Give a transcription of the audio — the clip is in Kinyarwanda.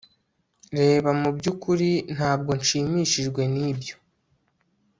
Reba Mu byukuri ntabwo nshimishijwe Nibyo